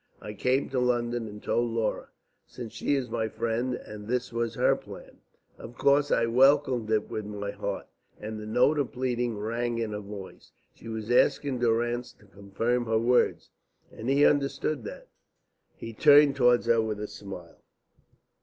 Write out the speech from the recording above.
I came to London and told Laura, since she is my friend, and this was her plan. Of course I welcomed it with all my heart;" and the note of pleading rang in her voice. She was asking Durrance to confirm her words, and he understood that. He turned towards her with a smile.